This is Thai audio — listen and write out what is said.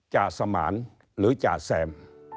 จ่าสมานหรือจ่าแซม